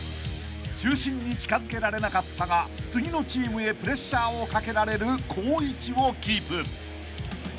［中心に近づけられなかったが次のチームへプレッシャーをかけられる好位置をキープ］